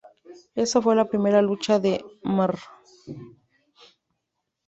Esa fue la primera lucha de Mr.